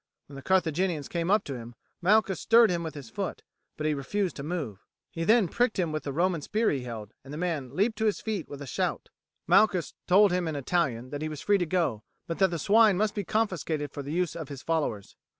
When the Carthaginians came up to him Malchus stirred him with his foot, but he refused to move; he then pricked him with the Roman spear he held, and the man leaped to his feet with a shout. Malchus told him in Italian that he was free to go, but that the swine must be confiscated for the use of his followers.